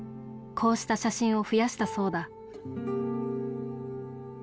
こうした写真を増やしたそうだ